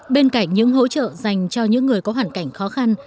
bên cạnh những hỗ trợ dành cho những người có hoàn cảnh khó khăn